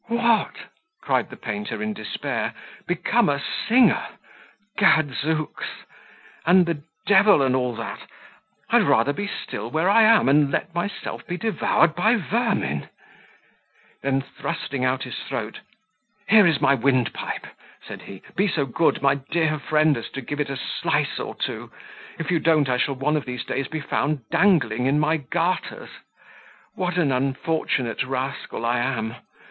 "What!" cried the painter, in despair, "become a singer? Gadzooks! and the devil and all that! I'll rather be still where I am, and let myself be devoured by vermin." Then thrusting out his throat "Here is my windpipe," said he; "be so good, my dear friend, as to give it a slice or two: if you don't, I shall one of these days be found dangling in my garters. What an unfortunate rascal I am!